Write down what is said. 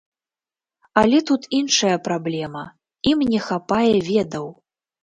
Але тут іншая праблема, ім не хапае ведаў.